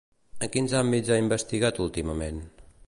En quins àmbits ha investigat últimament?